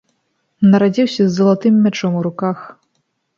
Нарадзіўся з залатым мячом у руках.